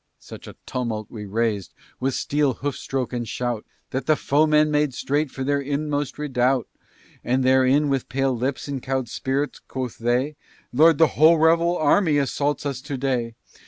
Such a tumult we raised with steel, hoof stroke, and shout, That the foemen made straight for their inmost redoubt, And therein, with pale lips and cowed spirits, quoth they, "Lord, the whole rebel army assaults us to day.